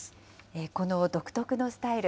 この独特のスタイル。